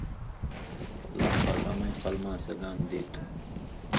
اللہ پاک امَیں قلماں سگان دی تُھو۔